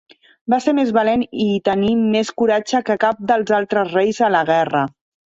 Va ser més valent i tenir més coratge que cap dels altres reis a la guerra.